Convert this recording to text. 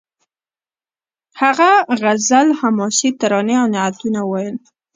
هغه غزل حماسي ترانې او نعتونه وویل